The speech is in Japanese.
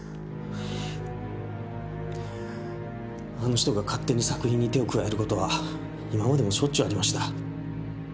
あの人が勝手に作品に手を加える事は今までもしょっちゅうありました。